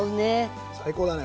最高だね。